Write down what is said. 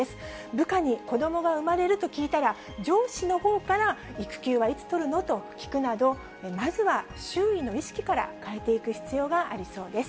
部下に子どもが産まれると聞いたら、上司のほうから育休はいつ取るの？と聞くなど、まずは周囲の意識から変えていく必要がありそうです。